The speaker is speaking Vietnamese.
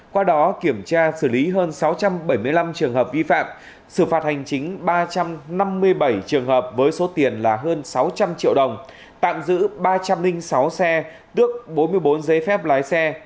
qua đó kiểm tra xử lý hơn sáu trăm bảy mươi năm trường hợp vi phạm xử phạt hành chính ba trăm năm mươi bảy trường hợp với số tiền là hơn sáu trăm linh triệu đồng tạm giữ ba trăm linh sáu xe tước bốn mươi bốn giấy phép lái xe